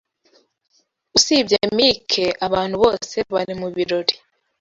Usibye Mike, abantu bose bari mubirori.